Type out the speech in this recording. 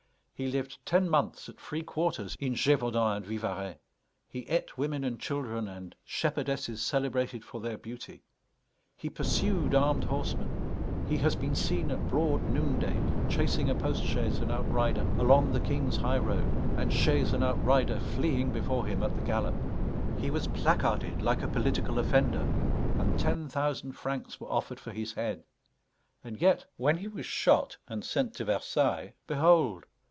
He lived ten months at free quarters in Gévaudan and Vivarais; he ate women and children and "shepherdesses celebrated for their beauty"; he pursued armed horsemen; he has been seen at broad noonday chasing a post chaise and outrider along the king's high road, and chaise and outrider fleeing before him at the gallop. He was placarded like a political offender, and ten thousand francs were offered for his head. And yet, when he was shot and sent to Versailles, behold!